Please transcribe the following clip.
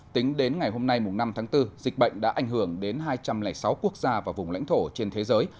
tính đến ngày hôm nay năm tháng bốn dịch bệnh đã ảnh hưởng đến hai trăm linh sáu quốc gia và vùng lãnh thổ trên thế giới